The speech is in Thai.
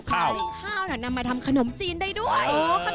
กินข้าวนำมาทำขนมจีนได้ด้วย